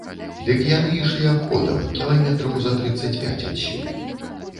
Дык яны ішлі абходам, кіламетраў за трыццаць пяць адсюль.